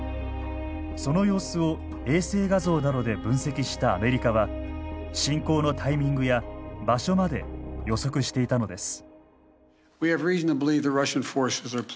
その様子を衛星画像などで分析したアメリカは侵攻のタイミングや場所まで予測していたのです。